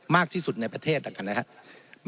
๖๔๖๕๖๖มากที่สุดในประเทศแล้วกันนะครับ